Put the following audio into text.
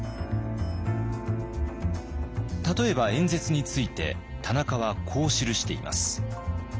例えば演説について田中はこう記しています。